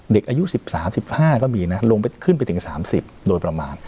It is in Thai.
เด็กอายุ๑๓๑๕ก็มีนะลงไปขึ้นไปถึง๓๐โดยประมาณ